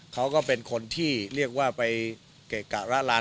เขาก็เป็นคนที่เรียกว่าไปเกะกะละลาน